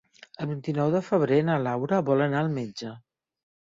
El vint-i-nou de febrer na Laura vol anar al metge.